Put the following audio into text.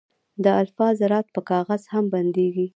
د الفا ذرات په کاغذ هم بندېږي.